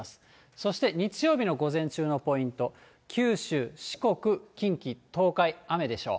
そして日曜日の午前中のポイント、九州、四国、近畿、東海、雨でしょう。